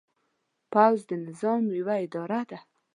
پوځ د نظام یوه اداره ده.